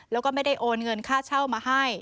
แล้วก็ไม่ได้โอนเงินค่าเช่ามาให้